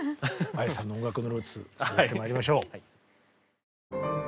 Ａｙａｓｅさんの音楽のルーツ続いてまいりましょう。